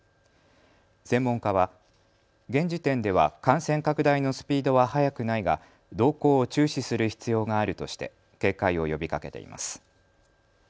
専門家は現時点では感染拡大のスピードは速くないが動向を注視する必要があるとして警戒を呼びかけています。